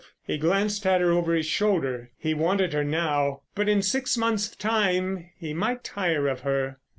He glanced at her over his shoulder. He wanted her now—but in six months' time he might tire of her.